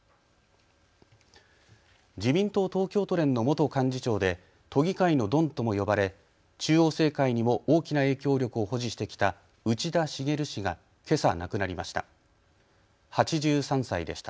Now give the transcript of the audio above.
自民党東京都連の元幹事長で都議会のドンとも呼ばれ中央政界にも大きな影響力を保持してきた内田茂氏がけさ亡くなりました。